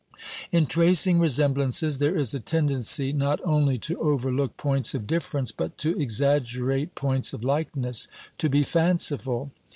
In tracing resemblances there is a tendency not only to overlook points of difference, but to exaggerate points of likeness, to be fanciful.